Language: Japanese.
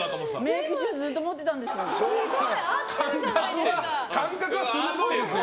メイク中ずっと持ってたんですよ。